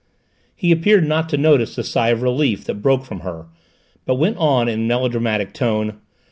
He appeared not to notice the sigh of relief that broke from her, but went on in a melodramatic tone.